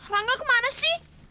rangga kemana sih